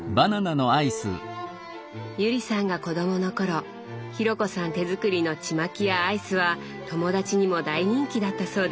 友里さんが子供の頃紘子さん手作りのちまきやアイスは友達にも大人気だったそうです。